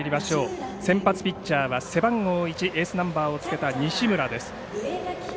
先発ピッチャーは背番号１エースナンバーをつけた西村です。